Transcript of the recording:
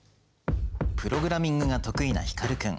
プログラミングが得意な光君。